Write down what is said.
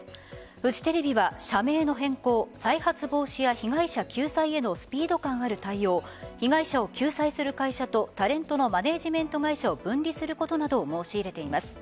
フジテレビは社名の変更再発防止や被害者救済へのスピード感ある対応被害者を救済する会社とタレントのマネジメントを分離することなどを申し出ています。